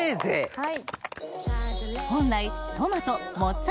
はい。